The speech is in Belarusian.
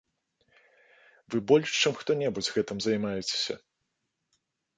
Вы больш, чым хто-небудзь, гэтым займаецеся.